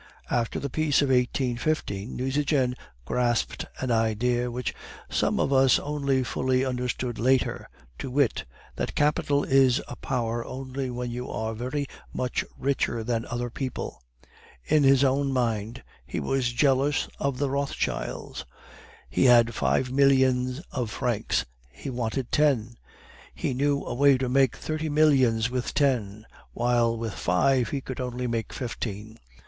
After the peace of 1815, Nucingen grasped an idea which some of us only fully understood later, to wit, that capital is a power only when you are very much richer than other people. In his own mind, he was jealous of the Rothschilds. He had five millions of francs, he wanted ten. He knew a way to make thirty millions with ten, while with five he could only make fifteen.